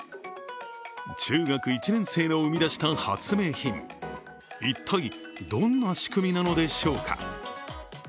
中学１年生の生み出した発明品、一体、どんな仕組みなのでしょうか